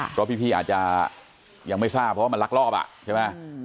เพราะพี่อาจจะยังไม่ทราบเพราะว่ามันลักลอบอ่ะใช่ไหม